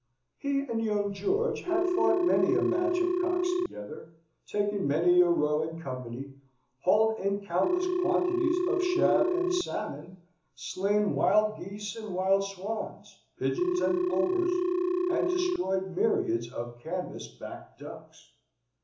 He and young George had fought many a match of cocks together, taken many a roe in company, hauled in countless quantities of shad and salmon, slain wild geese and wild swans, pigeons and plovers, and destroyed myriads of canvas backed ducks.